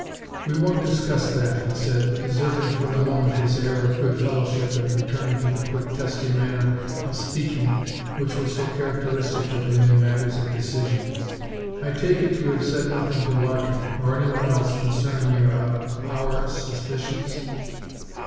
"We won't discuss that," he said, deserting for the moment his air of good fellowship and returning to the quick, testy manner of speaking which was so characteristic of him in matters of decision. "I take it you have said nothing to Larkin, or anyone else, concerning your ah, our suspicions?"